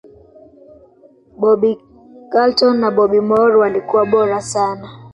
bobby charlton na bobby moore walikuwa bora sana